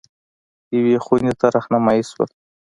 یوې خونې ته رهنمايي شول.